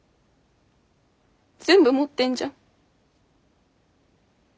全部持ってんじゃん。